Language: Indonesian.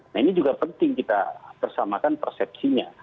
nah ini juga penting kita bersamakan persepsinya